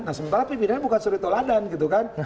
nah sementara pimpinannya bukan suri toladan gitu kan